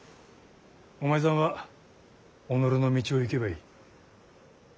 お前さんは己の道を行けばいい。